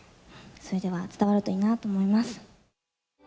それでは伝わるといいなと思います。